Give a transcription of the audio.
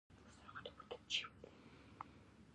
ایا زه باید کپسول وخورم؟